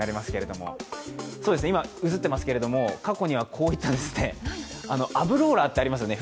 今映ってますけれども、過去にはこういった、アブローラーってありますよね